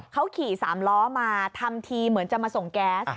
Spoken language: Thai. เขาขี่สามล้อมาทำทีเหมือนจะมาส่งแก๊ส